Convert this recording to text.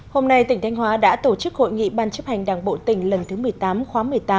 hôm nay tỉnh thanh hóa đã tổ chức hội nghị ban chấp hành đảng bộ tỉnh lần thứ một mươi tám khóa một mươi tám